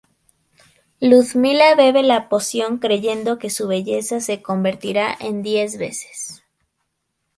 Ludmilla bebe la poción, creyendo que su belleza se convertirá en diez veces.